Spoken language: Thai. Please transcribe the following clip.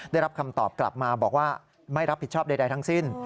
ได้รับคำตอบกลับมาบอกว่าไม่รับผิดชอบใดทั้งสิ้น